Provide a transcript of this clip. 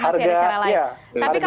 masih ada cara lain menurut anda ya